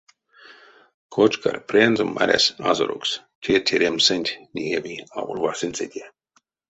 Кочкарь прянзо марясь азорокс — те теремсэнть, неяви, аволь васенцеде.